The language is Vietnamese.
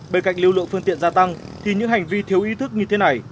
bên cạnh lưu lượng phương tiện gia tăng thì những hành vi thiếu ý thức như thế này